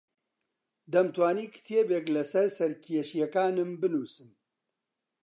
دەمتوانی کتێبێک لەسەر سەرکێشییەکانم بنووسم.